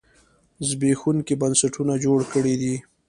زبېښونکي بنسټونه جوړ کړي دي.